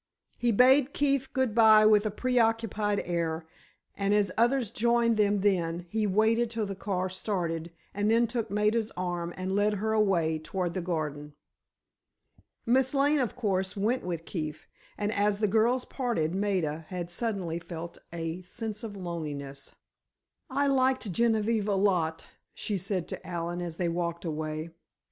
He bade Keefe good bye with a preoccupied air, and as others joined them then, he waited till the car started, and then took Maida's arm and led her away, toward the garden. Miss Lane, of course, went with Keefe, and as the girls parted Maida had suddenly felt a sense of loneliness. "I liked Genevieve a lot," she said to Allen, as they walked away.